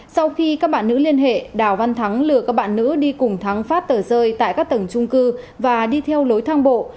sau khi các bạn nữ liên hệ đào văn thắng lừa các bạn nữ đi cùng thắng phát tờ rơi tại các tầng trung cư và đi theo lối thang bộ